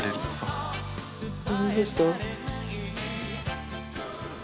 どうした？